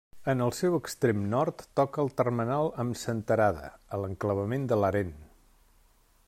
En el seu extrem nord toca el termenal amb Senterada, a l'enclavament de Larén.